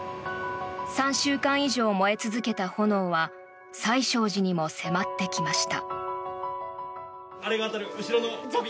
３週間以上燃え続けた炎は最勝寺にも迫ってきました。